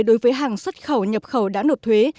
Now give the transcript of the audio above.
đối với hàng xuất khẩu nhập khẩu đã nộp thuế